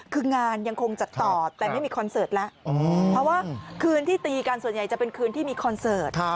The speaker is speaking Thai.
คืองานยังคงจัดต่อแต่ไม่มีคอนเสิร์ตแล้วเพราะว่าคืนที่ตีกันส่วนใหญ่จะเป็นคืนที่มีคอนเสิร์ต